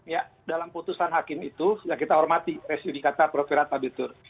ya dalam putusan hakim itu kita hormati residikata profilat abitur